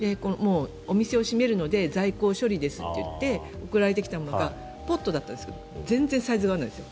お店を閉めるので在庫処理ですって言って送られてきたものがポットなんですけど全然サイズが合わないんです。